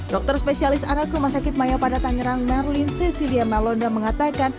dokter spesialis anak rumah sakit maya padat tangerang marlene cecilia malonda mengatakan